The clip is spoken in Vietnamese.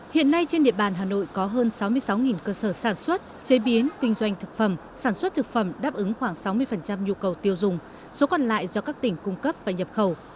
hiện nay trên địa bàn hà nội có hơn sáu mươi sáu cơ sở sản xuất chế biến kinh doanh thực phẩm sản xuất thực phẩm đáp ứng khoảng sáu mươi nhu cầu tiêu dùng số còn lại do các tỉnh cung cấp và nhập khẩu